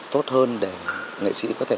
tốt hơn để nghệ sĩ có thể